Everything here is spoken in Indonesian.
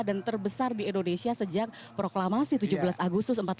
dan terbesar di indonesia sejak proklamasi tujuh belas agustus seribu sembilan ratus empat puluh lima pak